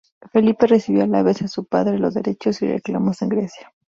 Felipe recibió a la vez de su padre los derechos y reclamos en Grecia.